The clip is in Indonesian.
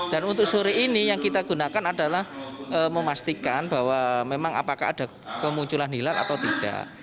dan untuk sore ini yang kita gunakan adalah memastikan bahwa memang apakah ada kemunculan hilal atau tidak